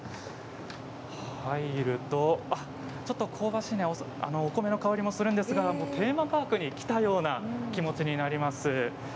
入るとちょっと香ばしいお米の香りもするんですがテーマパークに来たような気持ちになります。